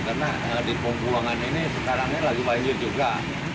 karena di penggulangan ini sekarang lagi banyak juga